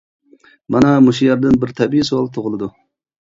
مانا مۇشۇ يەردىن بىر تەبىئىي سوئال تۇغۇلىدۇ.